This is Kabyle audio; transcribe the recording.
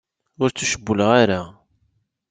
Ur ttucewwleɣ ara.